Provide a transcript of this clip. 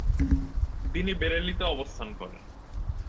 তিনি বেরেলিতে অবস্থান করেন।